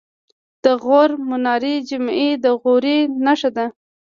د غور منارې جمعې د غوري نښه ده